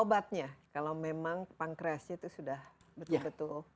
obatnya kalau memang pankreasnya itu sudah betul betul